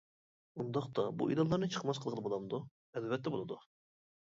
ئۇنداقتا بۇ ئېلانلارنى چىقماس قىلغىلى بولامدۇ؟ ئەلۋەتتە بولىدۇ!